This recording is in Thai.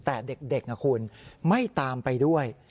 แต่เด็กนะคุณไม่ตามไปด้วย